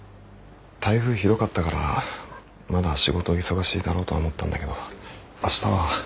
台風ひどかったからまだ仕事忙しいだろうとは思ったんだけど明日は。